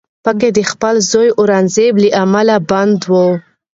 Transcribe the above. په کې د خپل زوی اورنګزیب له امله بندي و